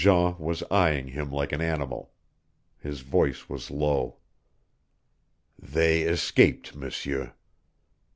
Jean was eying him like an animal. His voice was low. "They escaped, M'seur."